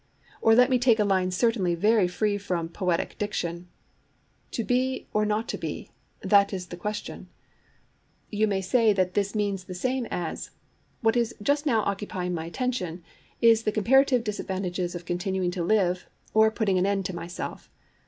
Or let me take a line certainly very free from 'poetic diction': To be or not to be, that is the question. You may say that this means the same as 'What is just now occupying my attention is the comparative disadvantages of continuing to live or putting an end to[Pg 25] myself.'